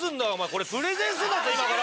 これプレゼンすんだぞ今から！